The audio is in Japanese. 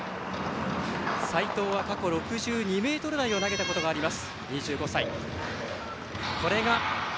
斉藤は過去６２ｍ台を投げたことがあります